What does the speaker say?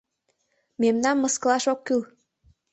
Мемнам мыскылаш ок кӱл.